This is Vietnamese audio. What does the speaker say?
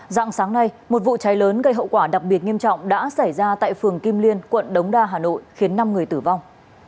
dạng sáng nay một vụ cháy lớn gây hậu quả đặc biệt nghiêm trọng đã xảy ra tại phường kim liên quận đống đa hà nội khiến năm người tử vong